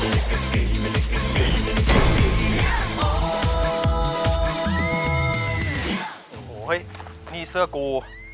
โอ้โหนี่เสื้อกู